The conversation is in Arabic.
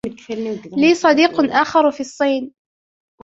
لي صديق آخر في الصين.